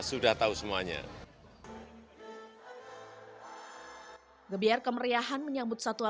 sudah tahu semuanya